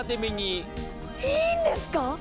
いいんですか⁉